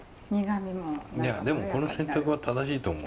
でもこの選択は正しいと思う。